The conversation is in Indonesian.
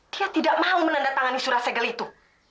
dia tidak mau menandatangani surat segel itu